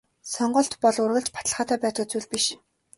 Сонголт бол үргэлж баталгаатай байдаг зүйл биш.